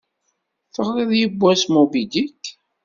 Teɣṛiḍ yewwas "Moby Dick"?